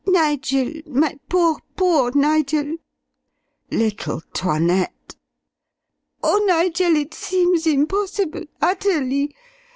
"Nigel! My poor, poor Nigel!" "Little 'Toinette!" "Oh, Nigel it seems impossible utterly!